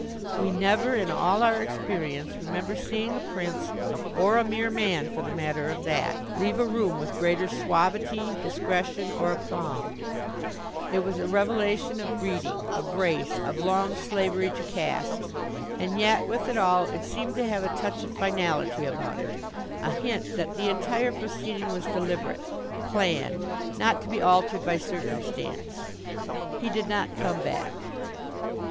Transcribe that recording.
We never, in all our experience, remember seeing a prince or a mere man for the matter of that leave a room with greater suavity, discretion, or aplomb. It was a revelation of breeding, of race, of long slavery to caste. And yet, with it all, it seemed to have a touch of finality about it a hint that the entire proceeding was deliberate, planned, not to be altered by circumstance. He did not come back.